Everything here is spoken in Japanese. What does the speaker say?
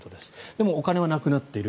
でもお金はなくなっている。